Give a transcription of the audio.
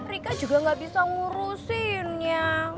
rika juga gak bisa ngurusinnya